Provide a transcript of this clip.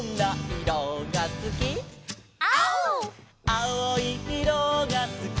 「あおいいろがすき」